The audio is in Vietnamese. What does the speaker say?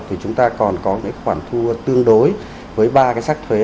thì chúng ta còn có cái khoản thu tương đối với ba cái sách thuế